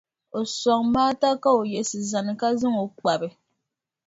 O sɔŋ Maata ka o yiɣisi zani, ka zaŋ o n-kpabi.